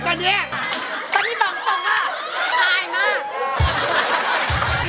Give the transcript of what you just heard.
ตอนนี้บางตรงหล่ะ